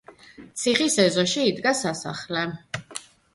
ციხის ეზოში იდგა სასახლე.